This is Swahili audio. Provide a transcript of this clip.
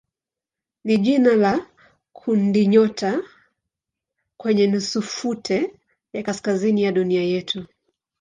ni jina la kundinyota kwenye nusutufe ya kaskazini ya dunia yetu.